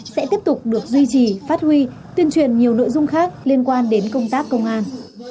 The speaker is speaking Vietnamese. sẽ tiếp tục được duy trì phát huy tuyên truyền nhiều nội dung khác liên quan đến công tác công an